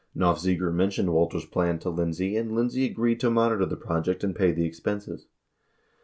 Nofziger mentioned Walters' plan to Lindsey and Lindsey agreed to monitor the project and pay the expenses.